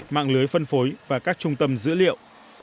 mạng lưới phân phối và các trung tâm dữ liệu